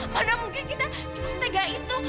mana mungkin kita setega itu